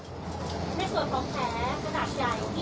ในส่วนของแผลขนาดใหญ่ที่อยู่ที่ต้องหาค่ะ